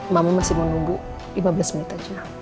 mama masih menunggu lima belas menit aja